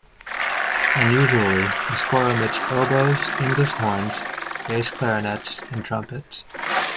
Unusually, the score omits oboes, English horns, bass clarinets, and trumpets.